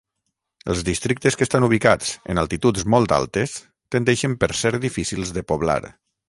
Els districtes que estan ubicats en altituds molt altes tendeixen per ser difícils de poblar.